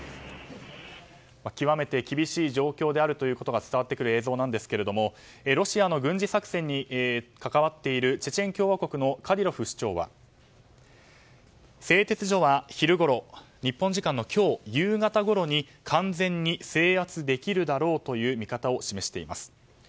極めて厳しい状況であることが伝わってくる映像ですがロシアの軍事作戦に関わっているチェチェン共和国のカディロフ首長は製鉄所は昼ごろ日本時間の今日夕方ごろに完全に制圧できるだろうという見方を示しています。